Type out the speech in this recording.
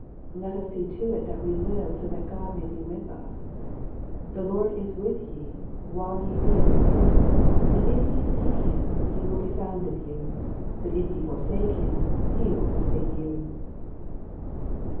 Let us see to it that we live so that God may be with us. " The Lord is with you, while ye be with Him : and if ye seek Him, He will be found of you ; but if ye forsake Him, He will forsake you."